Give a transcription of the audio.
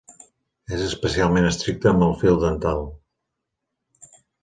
Es especialment estricte amb el fil dental.